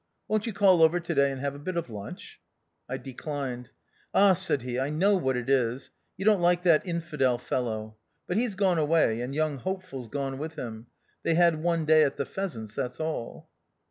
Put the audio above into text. Won't you call over to day and have a bit of lunch %" I declined. "Ah," said he, "I know what it is. You don't like that infidel fellow ; but he's gone away, and young Hopeful's gone with him. They had one day at the pheasants, that's all."